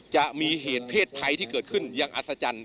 จะมีเหตุเพศภัยที่เกิดขึ้นอย่างอัศจรรย์